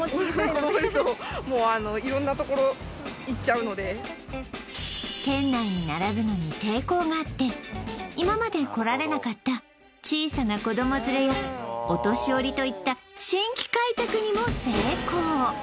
さらに店内に並ぶのに抵抗があって今まで来られなかった小さな子ども連れやお年寄りといった新規開拓にも成功